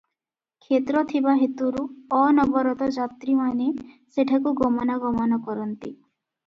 କ୍ଷେତ୍ର ଥିବା ହେତୁରୁ ଅନବରତ ଯାତ୍ରିମାନେ ସେଠାକୁ ଗମନାଗମନ କରନ୍ତି ।